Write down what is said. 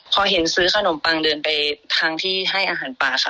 พอเห็นซื้อขนมปังเดินไปทางที่ให้อาหารปลาค่ะ